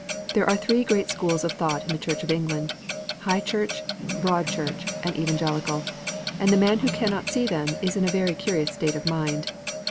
There are three great schools of thought in the Church of England, High Church, Broad Church, and Evangelical ; and the man who cannot see them is in a very curious state of mind.